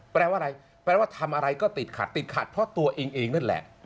แปลว่าทำอะไรก็ติดขัดติดขัดเพราะตัวเองนั่นแหละ